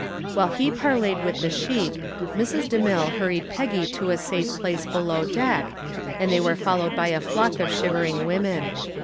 While he parleyed with the sheik Mrs. DeMille hurried Peggy to a safe place below deck, and they were followed by a flock of shivering women.